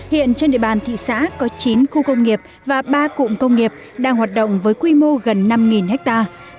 hiện trên địa bàn thị xã có chín khu công nghiệp và ba cụm công nghiệp đang hoạt động với quy mô gần năm hectare